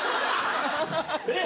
えっ！